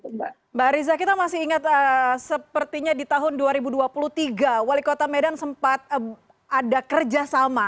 mbak riza kita masih ingat sepertinya di tahun dua ribu dua puluh tiga wali kota medan sempat ada kerjasama